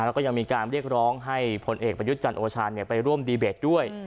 แล้วก็ยังมีการเรียกร้องให้ผลเอกประยุทธ์จันทร์โอชาไปร่วมดีเบตด้วย